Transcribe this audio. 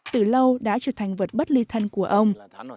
từ lâu đã trở thành vật bất ly thân của ông